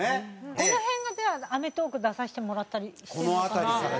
この辺がじゃあ『アメトーーク』出させてもらったりしてるのかな。